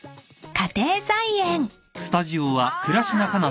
家庭菜園。